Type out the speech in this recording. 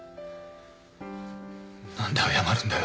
何で謝るんだよ